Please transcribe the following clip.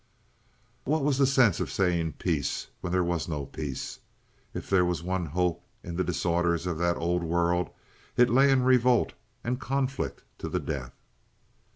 What was the sense of saying "peace" when there was no peace? If there was one hope in the disorders of that old world it lay in revolt and conflict to the death.